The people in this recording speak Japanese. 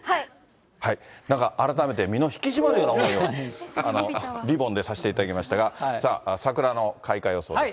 なんか改めて身の引き締まるような思いを、リボンでさせていただきましたが、桜の開花予想ですが。